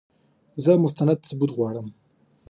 زه مستند ثبوت غواړم !